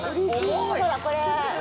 ほらこれ。